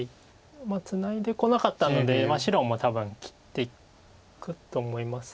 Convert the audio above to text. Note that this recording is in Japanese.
ツナいでこなかったので白も多分切っていくと思います